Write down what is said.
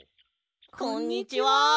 こんにちは。